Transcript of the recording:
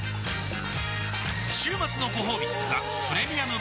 週末のごほうび「ザ・プレミアム・モルツ」